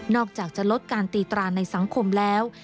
อกจากจะลดการตีตราในสังคมแล้ว